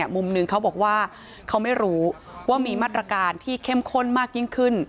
มุมหนึ่งเขาบอกว่าเขาไม่รู้ว่ามีมาตรการที่เข้มข้นมากยิ่งขึ้น